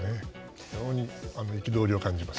非常に憤りを感じます。